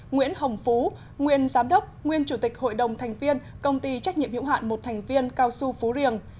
nguyễn hồng phú nguyên giám đốc nguyên chủ tịch hội đồng thành viên tổng công ty cao su phú riềng